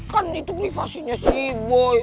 kan itu privasinya si boy